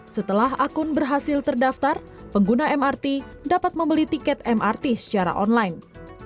setelah akun berhasil terdaftar pengguna mrt dapat membeli tiket mrt secara online